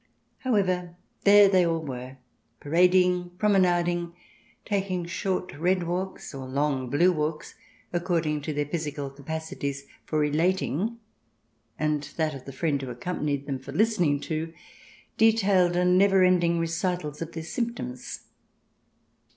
However, there they all were, parading, prome nading, taking short red walks or long blue walks, according to their physical capacities for relating, and that of the friend who accompanied them for listening, to detailed and never ending recitals of CH. vii] PRINCES AND PRESCRIPTIONS 91 their symptoms.